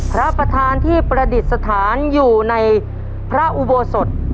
พระประธานที่ประดิษฐานอยู่ในพระอุโบสถ